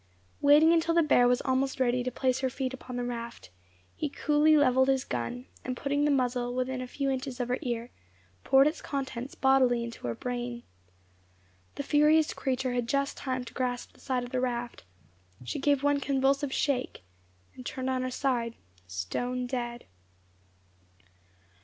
Waiting until the bear was almost ready to place her feet upon the raft, he coolly levelled his gun, and putting the muzzle within a few inches of her ear, poured its contents bodily into her brain. The furious creature had just time to grasp the side of the raft; she gave one convulsive shake, and turned on her side, stone dead.